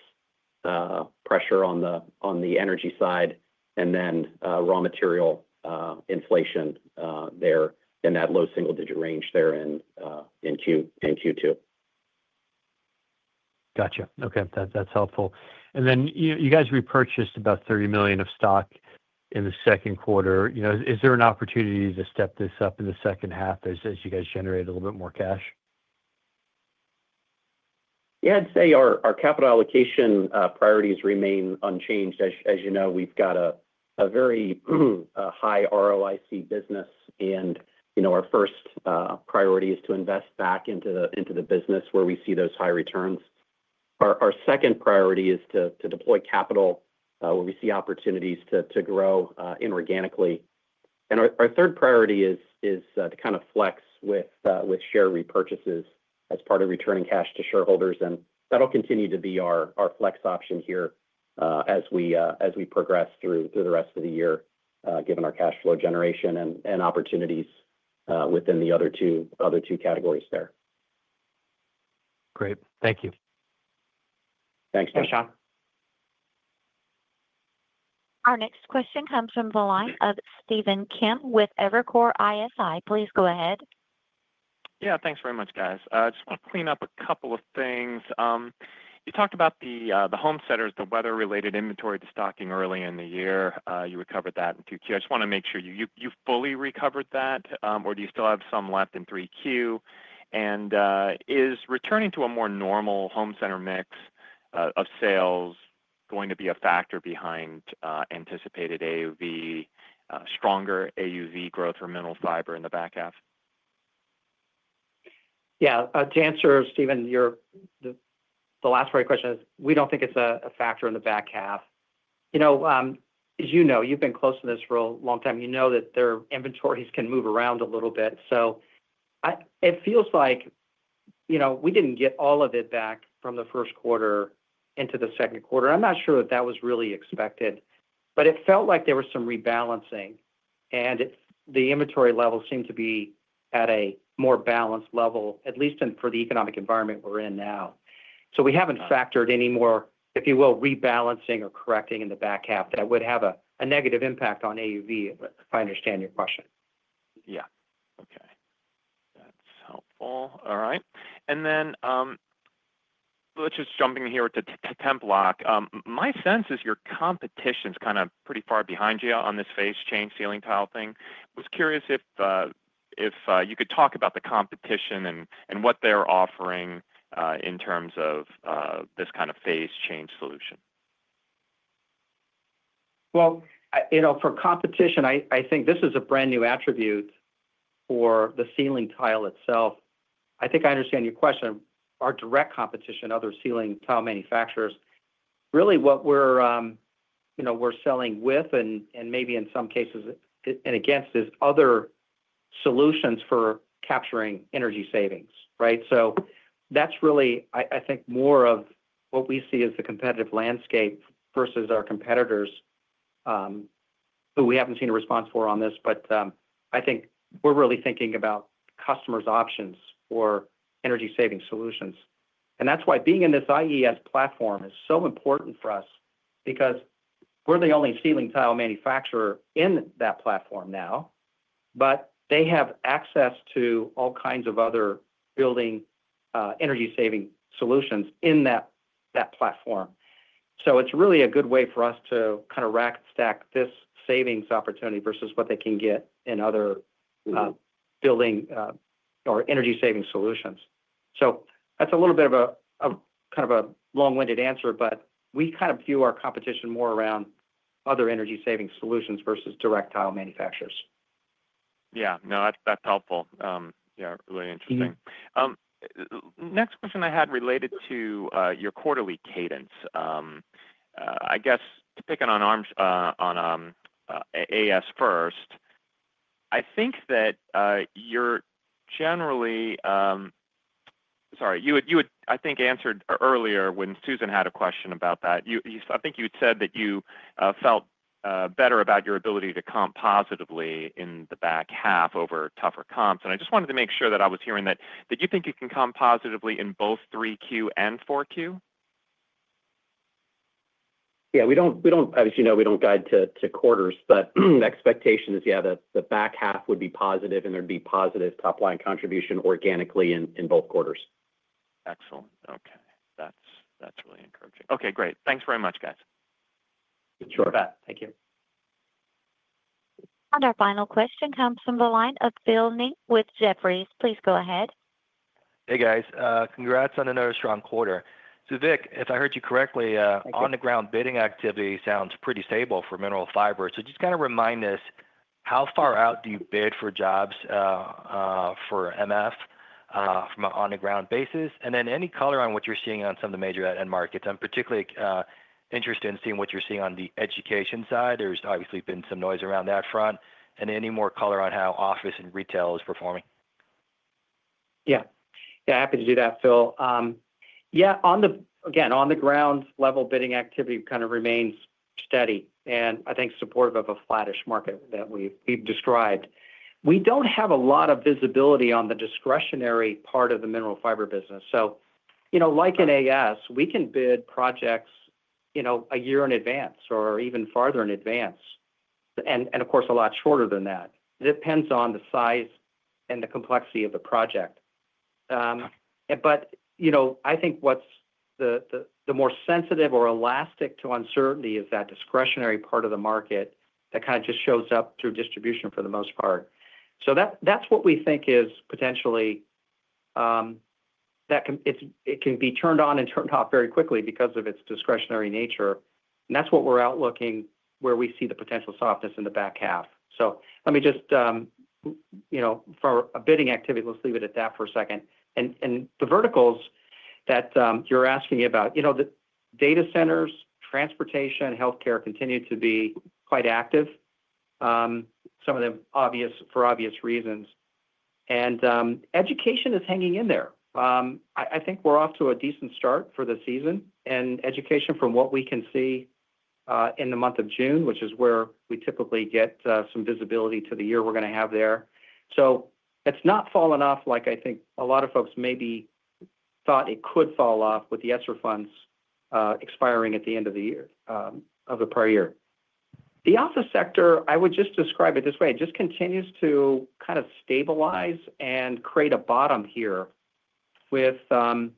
pressure on the energy side and then raw material inflation in that low single digit range in Q2. Gotcha. Okay, that's helpful. You guys repurchased about $30 million of stock in the second quarter. Is there an opportunity to step this up in the second half as you generate a little bit more cash? Yeah, I'd say our capital allocation priorities remain unchanged. As you know, we've got a very high ROIC business and our first priority is to invest back into the business where we see those high returns. Our second priority is to deploy capital where we see opportunities to grow inorganically. Our third priority is to flex with share repurchases as part of returning cash to shareholders. That'll continue to be our flex option here as we progress through the rest of the year given our cash flow generation and opportunities within the other two categories. Great, thank you. Thanks. Our next question comes from the line of Stephen Kim with Evercore ISI. Please go ahead. Yeah, thanks very much guys. I just want to clean up a couple of things. You talked about the home centers, the weather-related inventory destocking early in the year. You recovered that in 2Q. I just want to make sure you fully recovered that, or do you still have some left in 3Q? Is returning to a more normal home center mix of sales going to be a factor behind anticipated AUV, stronger AUV growth, or Mineral Fiber in the back half? Yeah. To answer, Stephen, the last part of your question is we don't think it's a factor in the back half. As you know, you've been close to this for a long time. You know that their inventories can move around a little bit. It feels like we didn't get all of it back from the first quarter into the second quarter. I'm not sure that that was really expected, but it felt like there was some rebalancing and the inventory levels seemed to be at a more balanced level, at least for the economic environment we're in now. We haven't factored any more, if you will, rebalancing or correcting in the back half that would have a negative impact on AUV. If I understand your question. Yeah, okay, that's helpful. All right. Let's just jump in here to Templok. My sense is your competition is kind of pretty far behind you on this phase change ceiling tile thing. Was curious if you could talk about the competition and what they're offering in terms of this kind of phase change solution. For competition, I think this is a brand new attribute for the ceiling tile itself. I think I understand your question. Our direct competition, other ceiling tile manufacturers, really what we're selling with, and maybe in some cases against, is other solutions for capturing energy savings. That's really, I think, more of what we see as the competitive landscape versus our competitors, who we haven't seen a response from on this. We're really thinking about customers' options for energy saving solutions, and that's why being in this IES platform is so important for us, because we're the only ceiling tile manufacturer in that platform now, but they have access to all kinds of other building energy saving solutions in that platform. It's really a good way for us to kind of rack stack this savings opportunity versus what they can get in other building or energy saving solutions. That's a little bit of a long-winded answer, but we view our competition more around other energy saving solutions versus direct tile manufacturers. Yeah, no, that's helpful. Yeah, really interesting. Next question I had related to your quarterly cadence, I guess to pick it on as first, I think that you're generally—sorry, you had, I think, answered earlier when Susan had a question about that. I think you had said that you felt better about your ability to comp positively in the back half over tougher comps. I just wanted to make sure that I was hearing that you think you can comp positively in both 3Q and 4Q. Yeah, we don't obviously know, we don't guide to quarters, but expectation is, yeah, the back half would be positive and there'd be positive top line contribution organically in both quarters. Excellent. Okay, that's really encouraging. Okay, great. Thanks very much, guys. Sure, bet. Thank you. Our final question comes from the line of Phil Ng with Jefferies. Please go ahead. Hey guys, congrats on another strong quarter. Vic, if I heard you correctly, on the ground bidding activity sounds pretty stable for Mineral Fiber. Just kind of remind us, how far out do you bid for jobs for Mineral Fiber from an on the ground basis, and then any color on what you're seeing on some of the major end markets? I'm particularly interested in seeing what you're seeing on the education side. There's obviously been some noise around that front. Any more color on how office and retail is performing? Yeah, happy to do that, Phil. On the, again, on the ground level, bidding activity kind of remains steady and I think supportive of a flattish market that we've described. We don't have a lot of visibility on the discretionary part of the Mineral Fiber business. As we can bid projects a year in advance or even farther in advance, and of course a lot shorter than that. Depends on the size and the complexity of the project. I think what's more sensitive or elastic to uncertainty is that discretionary part of the market that kind of just shows up through distribution for the most part. That's what we think is potentially, it can be turned on and turned off very quickly because of its discretionary nature. That's what we're outlooking where we see the potential softness in the back half. For bidding activity, let's leave it at that for a second. The verticals that you're asking about, the data centers, transportation, healthcare, continue to be quite active, some of them for obvious reasons. Education is hanging in there. I think we're off to a decent start for the season. Education, from what we can see in the month of June, which is where we typically get some visibility to the year we're going to have there, has not fallen off like I think a lot of folks maybe thought it could fall off with the ESSER funds expiring at the end of the year of the prior year. The office sector, I would just describe it this way. It just continues to kind of stabilize and create a bottom here with signs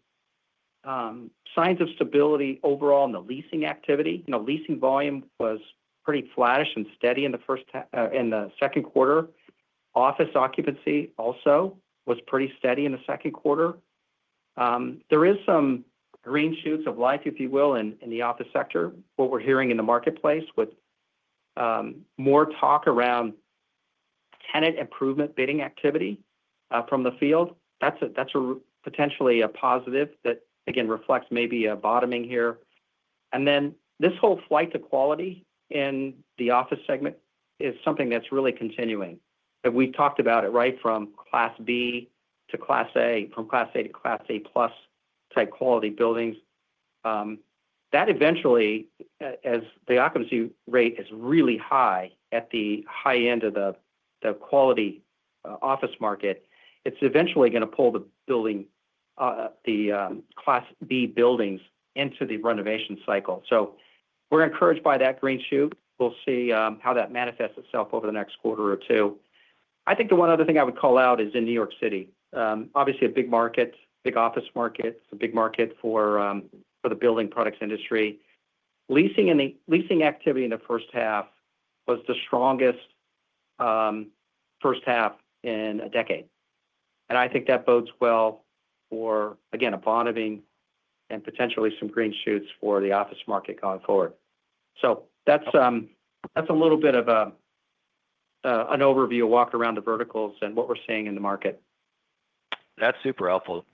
of stability overall in the leasing activity. Leasing volume was pretty flattish and steady in the first and the second quarter. Office occupancy also was pretty steady in the second quarter. There is some green shoots of life, if you will, in the office sector. What we're hearing in the marketplace, with more talk around tenant improvement, bidding activity from the field that's potentially a positive that again reflects maybe a bottoming here. This whole flight to quality in the office segment is something that's really continuing. We talked about it right from class B to class A, from class A to class A plus type quality buildings that eventually, as the occupancy rate is really high at the high end of the quality office market, it's eventually going to pull the class B buildings into the renovation cycle. We're encouraged by that green shoot. We'll see how that manifests itself over the next quarter or two. I think the one other thing I would call out is in New York City, obviously a big market, big office market, a big market for the building products industry. Leasing activity in the first half was the strongest first half in a decade. I think that bodes well for, again, a bottoming and potentially some green shoots for the office market going forward. That's a little bit of an overview walk around the verticals and what we're seeing in the market. That's super helpful,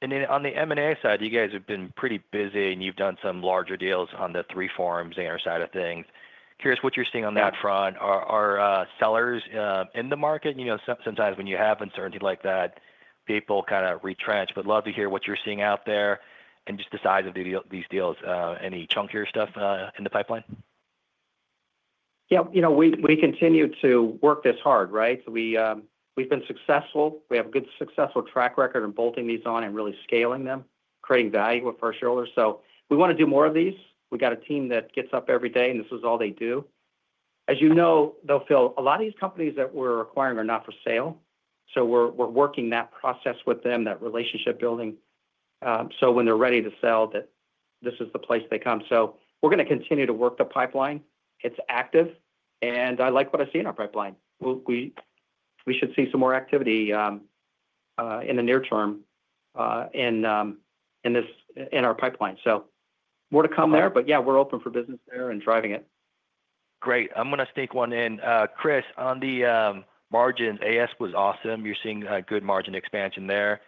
Vic. On the M&A side, you guys have been pretty busy and you've done some larger deals on the 3form and our side of things. Curious what you're seeing on that front. Are sellers in the market? Sometimes when you have uncertainty like that, people kind of retrench, but love to hear what you're seeing out there and just the size of these deals. Any chunkier stuff in the pipeline? Yeah, you know, we continue to work this hard. We've been successful. We have a good, successful track record of bolting these on and really scaling them, creating value with our shareholders. We want to do more of these. We got a team that gets up every day and this is all they do. As you know, though, Phil, a lot of these companies that we're acquiring are not for sale. We're working that process with them, that relationship building. When they're ready to sell, this is the place they come. We're going to continue to work the pipeline. It's active and I like what I see in our pipeline. We should see some more activity in the near term in our pipeline. More to come there. We're open for business there and driving it. Great. I'm going to sneak one in. Chris, on the margins, as was awesome. You're seeing good margin expansion there.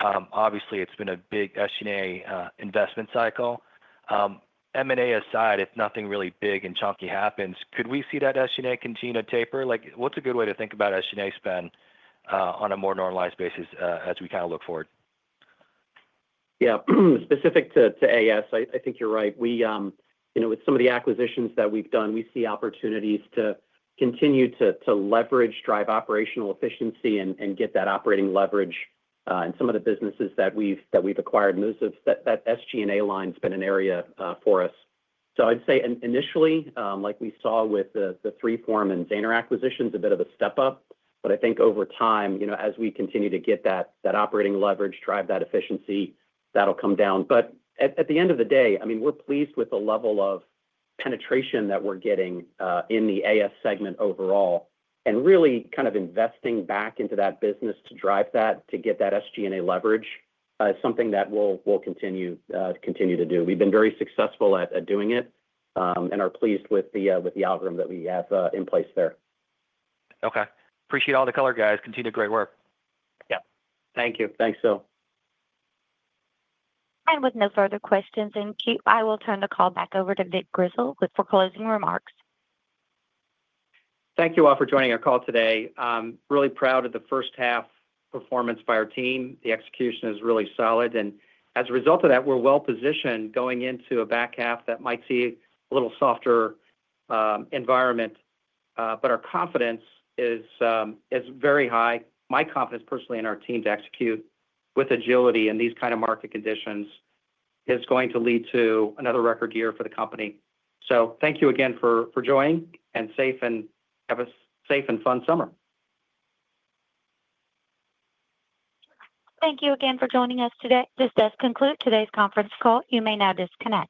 Obviously, it's been a big SG&A investment cycle. M&A aside, if nothing really big and chunky happens, could we see that SG&A continue to taper? What's a good way to think about SG&A spend on a more normalized basis as we look forward? Yeah. Specific to, as I think you're right, with some of the acquisitions that we've done, we see opportunities to continue to leverage, drive operational efficiency, and get that operating leverage. In some of the businesses that we've acquired, that SG&A line has been an area for us. I'd say initially, like we saw with the 3form and Zaner acquisitions, a bit of a step up. I think over time, as we continue to get that operating leverage and drive that efficiency, that'll come down. At the end of the day, we're pleased with the level of penetration that we're getting in the Architectural Specialties segment overall and really investing back into that business to drive that, to get that SG&A leverage, something that we'll continue to do. We've been very successful at doing it and are pleased with the algorithm that we have in place there. Okay. Appreciate all the color, guys. Continue great work. Yeah, thank you. Thanks, Phil. With no further questions in queue, I will turn the call back over to Vic Grizzle for closing remarks. Thank you all for joining our call today. Really proud of the first half performance by our team. The execution is really solid, and as a result of that, we're well positioned going into a back half that might see a little softer environment. Our confidence is very high. My confidence personally in our team to execute with agility in these kind of market conditions is going to lead to another record year for the company. Thank you again for joining and have a safe and fun summer. Thank you again for joining us today. This does conclude today's conference call. You may now disconnect.